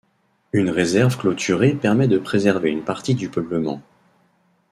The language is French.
Une réserve clôturée permet de préserver une partie du peuplement.